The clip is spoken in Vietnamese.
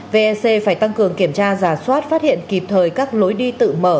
vec phải tăng cường kiểm tra giả soát phát hiện kịp thời các lối đi tự mở